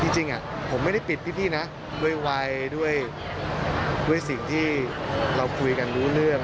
จริงผมไม่ได้ปิดพี่นะด้วยวัยด้วยสิ่งที่เราคุยกันรู้เรื่อง